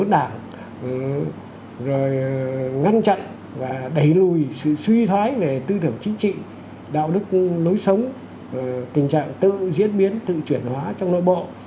đảng rồi ngăn chặn và đẩy lùi sự suy thoái về tư tưởng chính trị đạo đức lối sống tình trạng tự diễn biến tự chuyển hóa trong nội bộ